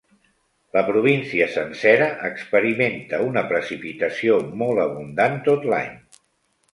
La província sencera experimenta una precipitació molt abundant tot l'any.